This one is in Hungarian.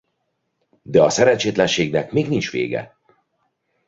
De a szerencsétlenségnek még nincs vége.